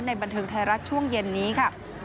บันเทิงไทยรัฐช่วงเย็นนี้ค่ะ